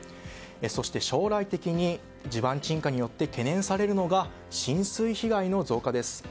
そして、将来的に地盤沈下によって懸念されるのが浸水被害の増加です。